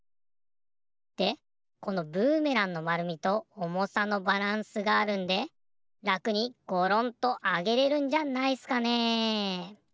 でこのブーメランのまるみとおもさのバランスがあるんでらくにゴロンとあげれるんじゃないっすかね。